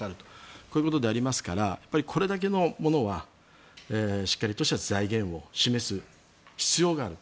こういうことでありますからこれだけのものはしっかりとした財源を示す必要があると。